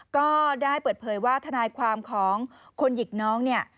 ก็ได้เปิดเผยว่าทนายความของคนหยิกน้องเนี่ย